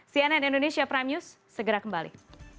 cnn indonesia prime news segera kembali